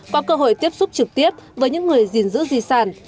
có cơ hội tiếp xúc trực tiếp với những người gìn giữ di sản